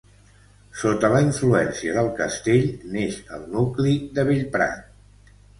Sota la influència del castell neix el nucli de Bellprat.